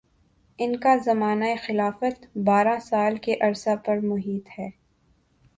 ان کا زمانہ خلافت بارہ سال کے عرصہ پر محیط ہے